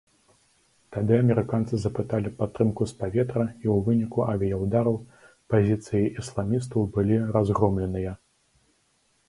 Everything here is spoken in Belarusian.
Тады амерыканцы запыталі падтрымку з паветра, і ў выніку авіяўдараў пазіцыі ісламістаў былі разгромленыя.